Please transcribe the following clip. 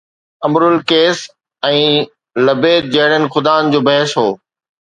امر القيس ۽ لبيد جهڙن خدائن جو بحث هو.